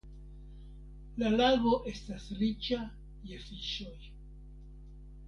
La lago estas riĉa je fiŝoj.